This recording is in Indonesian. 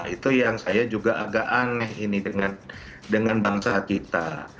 itu yang saya juga agak aneh ini dengan bangsa kita